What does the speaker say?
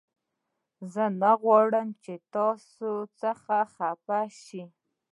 زه نه غواړم چې تاسې را څخه خفه شئ